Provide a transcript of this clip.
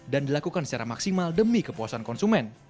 dan dilakukan secara maksimal demi kepuasan konsumen